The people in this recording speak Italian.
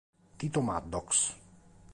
Tito Maddox